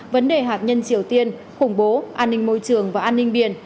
vấn đề hạt nhân triều tiên khủng bố an ninh môi trường và an ninh biển